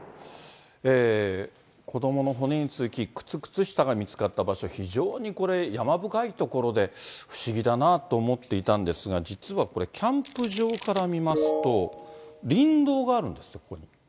子どもの骨に続き、靴、靴下が見つかった場所、非常にこれ、山深い所で、不思議だなあと思っていたんですが、実はこれ、キャンプ場から見ますと、林道があるんですって、ここに。